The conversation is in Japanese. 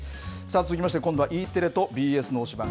続きまして今度はＥテレとＢＳの推しバン！